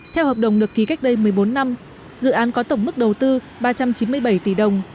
theo hợp đồng được ký cách đây một mươi bốn năm dự án có tổng mức đầu tư ba trăm chín mươi bảy tỷ đồng